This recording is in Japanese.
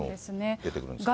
出てくるんですけど。